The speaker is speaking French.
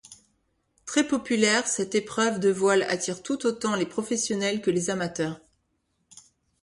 Très populaire, cette épreuve de voile attire tout autant les professionnels que les amateurs.